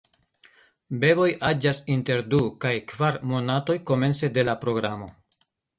Beboj aĝas inter du kaj kvar monatoj komence de la programo.